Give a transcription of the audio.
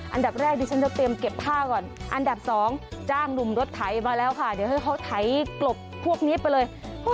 อันดับแรกดิฉันจะเตรียมเก็บผ้าก่อนอันดับ๒จ้างหนุ่มรถไถมาแล้วค่ะเดี๋ยวให้เขาไถกลบพวกนี้ไปเลย